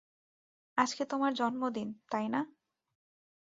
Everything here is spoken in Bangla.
আজকে তোমার জন্মদিন, তাই না?